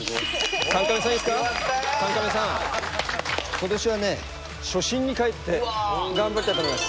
今年はね初心にかえって頑張りたいと思います。